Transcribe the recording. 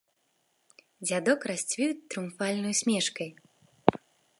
Дзядок расцвіў трыумфальнай усмешкай.